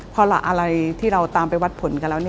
เพราะอะไรที่เราตามไปวัดผลกันแล้ว